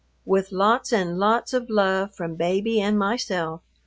With lots and lots of love from baby and myself.